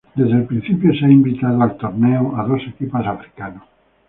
Desde el principio se ha invitado al torneo a dos equipos africanos.